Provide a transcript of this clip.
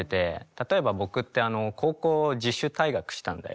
例えば僕って高校を自主退学したんだよ